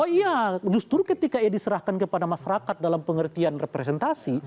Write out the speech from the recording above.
oh iya justru ketika ia diserahkan kepada masyarakat dalam pengertian representasi